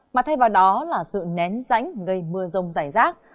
mà thay vào đó là sự nén rãnh gây mưa rông rải rác